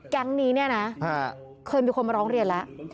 แกงก์นี้นะเคยมีคนมาร้องเรียนแล้ว